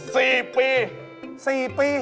สี่ปีสี่ปี